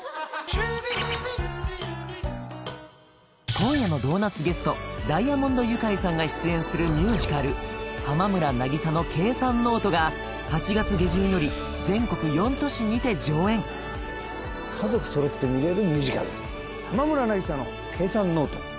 今夜のドーナツゲストダイアモンド☆ユカイさんが出演するミュージカル「浜村渚の計算ノート」が８月下旬より全国４都市にて上演家族揃って見れるミュージカルです「浜村渚の計算ノート」